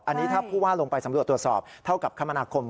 อันนี้ถ้าผู้ว่าลงไปสำรวจตรวจสอบเท่ากับคมนาคม